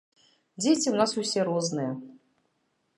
Дзеці ў нас усе розныя.